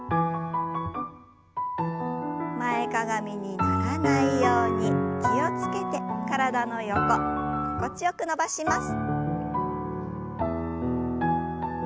前かがみにならないように気を付けて体の横心地よく伸ばします。